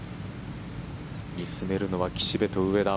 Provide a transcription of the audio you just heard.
見つめるのは岸部と上田。